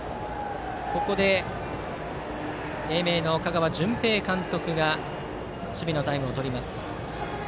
ここで、英明の香川純平監督が守備のタイムを取ります。